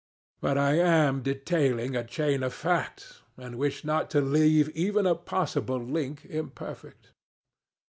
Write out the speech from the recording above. But I am detailing a chain of factsŌĆöand wish not to leave even a possible link imperfect.